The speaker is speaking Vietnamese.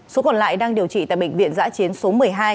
số còn lại đang điều trị tại bệnh viện giã chiến số một mươi hai